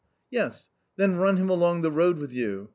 "Yes. Then run him along the road with you.